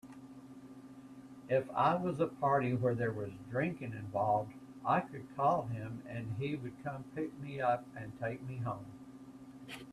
If I was at a party where there was drinking involved, I could call him and he would come pick me up and take me home.